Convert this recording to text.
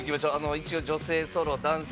一応女性ソロ男性